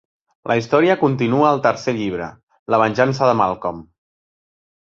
La història continua al Tercer Llibre: La venjança de Malcolm.